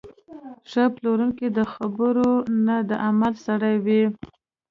ښه پلورونکی د خبرو نه، د عمل سړی وي.